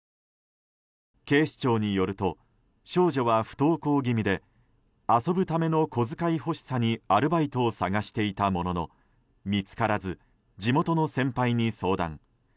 警視庁によると少女は不登校気味で遊ぶための小遣い欲しさにアルバイトを探していたものの見つからず、地元の先輩に相談。